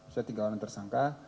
sudah tiga orang tersangka